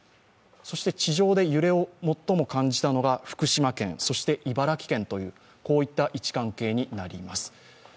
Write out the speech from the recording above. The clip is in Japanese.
地上で揺れを最も感じたのが福島県、そして茨城県という、こういった位置関係になります。